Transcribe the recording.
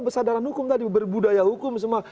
kesadaran hukum tadi berbudaya hukum semua